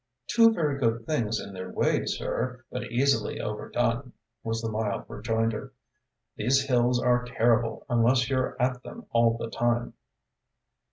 "Two very good things in their way, sir, but easily overdone," was the mild rejoinder. "These hills are terrible unless you're at them all the time."